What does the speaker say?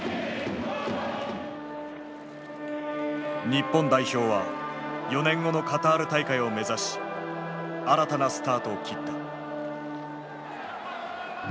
日本代表は４年後のカタール大会を目指し新たなスタートを切った。